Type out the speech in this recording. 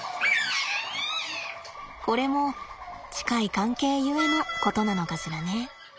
これも近い関係ゆえのことなのかしらね。